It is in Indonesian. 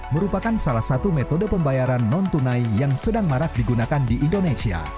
merupakan salah satu metode pembayaran non tunai yang sedang marak digunakan di indonesia